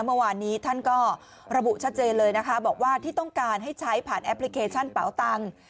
เมื่อวานนี้ท่านก็ระบุชัดเจนเลยนะคะบอกว่าที่ต้องการให้ใช้ผ่านแอปพลิเคชันเป๋าตังค์